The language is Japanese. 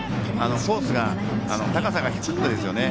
コースが高さが低かったですよね。